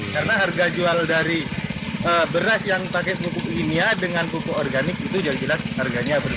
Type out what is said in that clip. karena harga jual dari beras yang pakai pupuk kimia dengan pupuk organik itu jelas jelas harganya berbeda